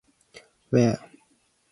Wien.